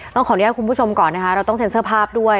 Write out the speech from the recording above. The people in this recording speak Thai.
ต้องขออนุญาตคุณผู้ชมก่อนนะคะเราต้องเซ็นเซอร์ภาพด้วย